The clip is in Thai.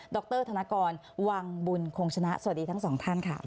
รธนกรวังบุญคงชนะสวัสดีทั้งสองท่านค่ะ